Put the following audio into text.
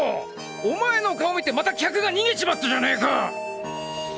お前の顔見てまた客が逃げちまったじゃねえか！